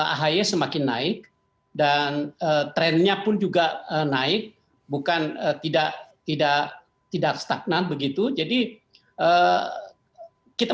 ahy semakin naik dan trennya pun juga naik bukan tidak tidak stagnan begitu jadi kita